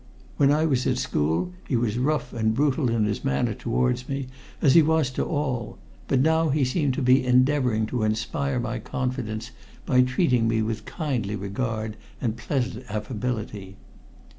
When I was at school he was rough and brutal in his manner towards me, as he was to all; but now he seemed to be endeavoring to inspire my confidence by treating me with kindly regard and pleasant affability.